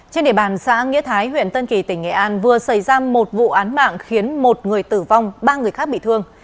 trên địa bàn xã nghĩa thái huyện tân kỳ tỉnh nghệ an vừa xảy ra một vụ án mạng khiến một người tử vong ba người khác bị thương